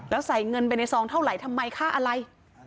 แล้วใส่เงินไปในซองเท่าไหร่ทำไมค่าอะไร